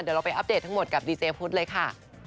เดี๋ยวเราไปอัปเดตทั้งหมดกับดีเจพุทธเลยค่ะ